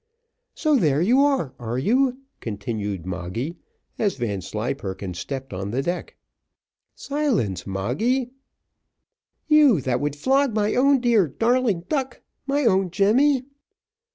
"So there you are, are you?" continued Moggy, as Vanslyperken stepped on the deck. "Silence, Moggy." "You, that would flog my own dear darling duck my own Jemmy."